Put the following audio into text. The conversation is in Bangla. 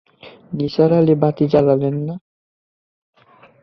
নিসার আলি বাতি জ্বালালেন না।